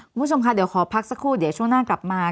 คุณผู้ชมค่ะเดี๋ยวขอพักสักครู่เดี๋ยวช่วงหน้ากลับมา